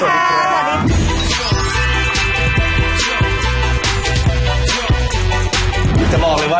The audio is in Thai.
วิจัยบอกเลยว่า